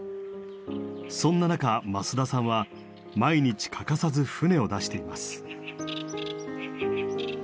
そんな中増田さんは毎日欠かさず船を出しています。